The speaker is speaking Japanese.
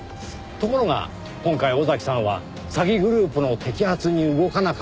ところが今回尾崎さんは詐欺グループの摘発に動かなかったなぜか。